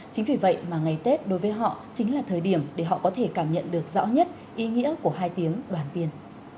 chính vì vậy mà ngày tết đối với họ chính là thời điểm để họ có thể cảm nhận được rõ nhất ý nghĩa của hai tiếng đoàn viên